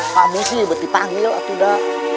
kamu sih buat dipanggil kaya man